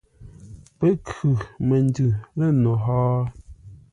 Pə́ khʉ məndʉ lə̂ no hó?